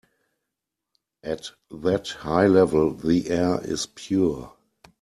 At that high level the air is pure.